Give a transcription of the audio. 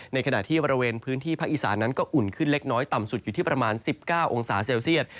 ในขณะที่บริเวณพื้นที่ภาคอีสานั้นก็อุ่นขึ้นเล็กน้อยต่ำสุดอยู่ที่ประมาณ๑๙องศาเซลเซียต